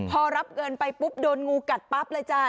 พอรับเงินไปปุ๊บโดนงูกัดปั๊บเลยจ้า